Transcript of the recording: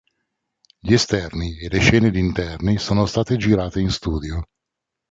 Gli esterni e le scene di interni sono state girate in studio.